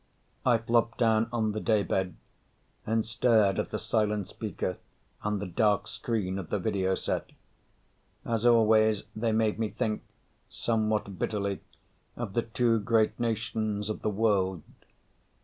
I flopped down on the day bed and stared at the silent speaker and the dark screen of the video set. As always, they made me think, somewhat bitterly, of the two great nations of the world.